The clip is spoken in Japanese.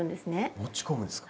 持ち込むですか？